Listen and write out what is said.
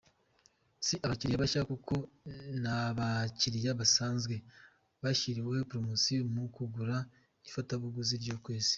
Si abakiriya bashya kuko n’abakiriya basanzwe bashyiriweho promosiyo mu kugura ifatabuguzi ry’ukwezi.